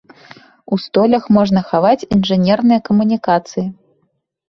У столях можна хаваць інжынерныя камунікацыі.